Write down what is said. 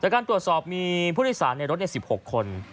การตรวจสอบมีผู้โดยสารในรถ๑๖คน